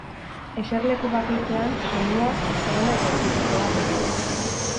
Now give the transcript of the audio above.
Eserleku bakoitzean, soinua, oso ona eta hurbilekoa da.